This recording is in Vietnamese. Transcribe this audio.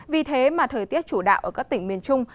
vì thế mà thời tiết chủ đạo ở các tỉnh miền trung